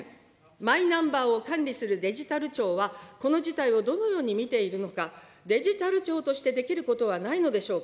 マイナンバーを管理するデジタル庁は、この事態をどのように見ているのか、デジタル庁としてできることはないのでしょうか。